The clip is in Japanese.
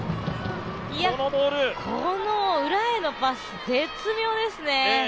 この裏へのパス絶妙ですね。